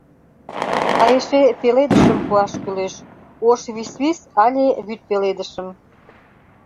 А эше пеледышым пуаш кӱлеш... ош висвис але вӱд пеледышым...